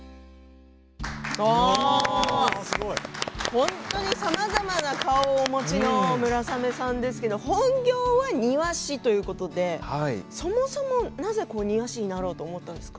本当にさまざまな顔をお持ちの村雨さんですけれど本業は庭師ということでそもそもなぜ庭師になろうと思ったんですか。